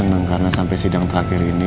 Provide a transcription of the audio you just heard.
saya seneng karena sampai sidang terakhir ini